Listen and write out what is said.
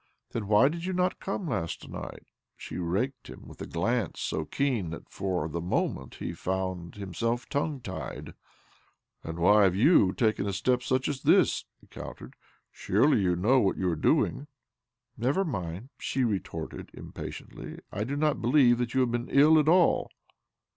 " Then why did you not come last night ?" She raked him with a glance so keen that for the moment he found himself tongue tied. " And why have you taken such a step as this? " he countered. " Surely you know what you are doing?" " Never mind," she retorted impatiently. " I do not believe you have been ill at all."